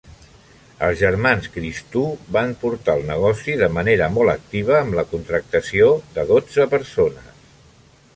Els germans Christou van portar el negoci de manera molt activa, amb la contractació de dotze persones.